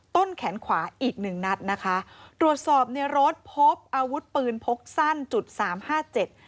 ต้นแขนขวาอีกหนึ่งนัดนะคะตรวจสอบในรถพบอาวุธปืนพกสั้นจุดสามห้าเจ็ด